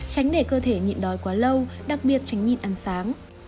tránh để cơ thể nhịn đói quá lâu đặc biệt tránh nhịn ăn sáng